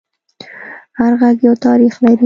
هر غږ یو تاریخ لري